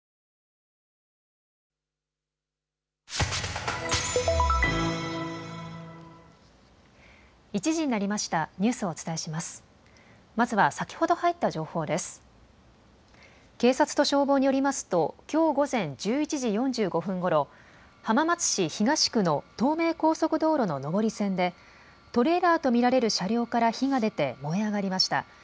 警察と消防によりますときょう午前１１時４５分ごろ浜松市東区の東名高速道路の上り線でトレーラーと見られる車両から火が出て燃え上がりました。